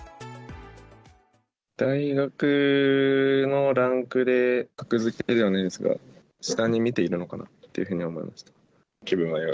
大学のランクで格付けじゃないですが、下に見ているのかなっていうふうに思いました。